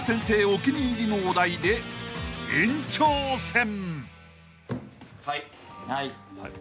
お気に入りのお題で延長戦！］